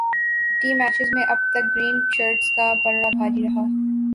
T matches میں اب تک گرین شرٹس کا پلڑا بھاری رہا